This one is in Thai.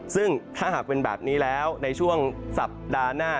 ซึ่งถ้าหากเป็นแบบนี้แล้วในช่วงสัปดาห์หน้า